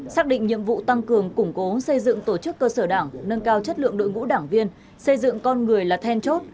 xác định nhiệm vụ tăng cường củng cố xây dựng tổ chức cơ sở đảng nâng cao chất lượng đội ngũ đảng viên xây dựng con người là then chốt